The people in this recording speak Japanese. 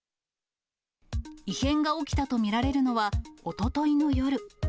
異変が起きたと見られるのは、おとといの夜。